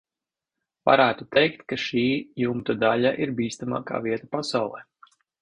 Varētu teikt, ka šī jumta daļa ir bīstamākā vieta pasaulē.